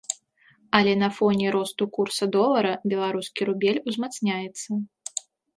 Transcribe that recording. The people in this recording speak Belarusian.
Але на фоне росту курса долара беларускі рубель узмацняецца.